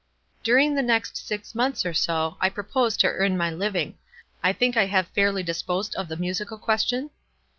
Dur ing the next six months or so, I propose to earn my living. I think I have fairly disposed of the musical question."